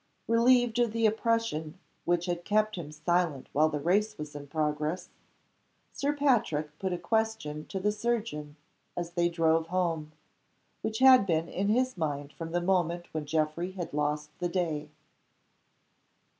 Relieved of the oppression which had kept him silent while the race was in progress, Sir Patrick put a question to the surgeon as they drove home, which had been in his mind from the moment when Geoffrey had lost the day.